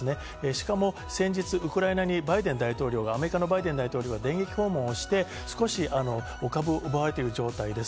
しかも先日、ウクライナにアメリカのバイデン大統領が電撃訪問して、少し、お株を奪われている状態です。